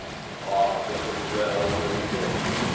Ah! It was well that he did!